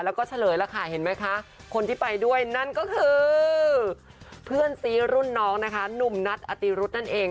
แล้วก็เฉลยแล้วค่ะเห็นไหมคะคนที่ไปด้วยนั่นก็คือเพื่อนซีรุ่นน้องนะคะหนุ่มนัทอติรุธนั่นเอง